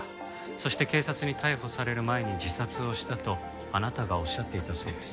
そして警察に逮捕される前に自殺をしたとあなたがおっしゃっていたそうです。